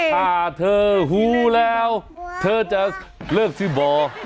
ถ้าเธอหูแล้วเธอจะเลิกซิบอ